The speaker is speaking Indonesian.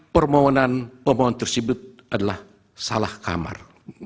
permohonan pemohon tersebut adalah salah kamar